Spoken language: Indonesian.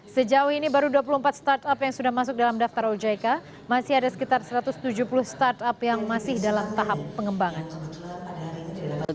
sejauh ini baru dua puluh empat startup yang sudah masuk dalam daftar ojk masih ada sekitar satu ratus tujuh puluh startup yang masih dalam tahap pengembangan